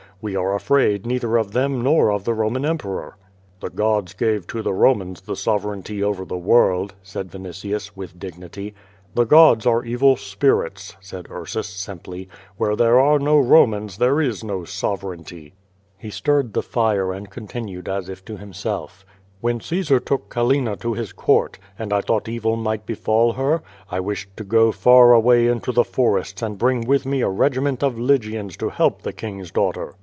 We are afraid neither of them nor of the Roman emperor." "The gods gave to the Romans the sovereignty over the world," said Yinitius, with dignity. "The gods are evil spirits," said Tarsus, simply. "Where there are no Romans there is no sovereignty." lie stirred the fire and continued as if to himself: "When Caesar took Callina to his court, and I thought evil might befall her, I wished to go far away in the forests and bring with me a regiment of Lygians to help the king's daughter.